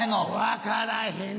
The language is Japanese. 分からへん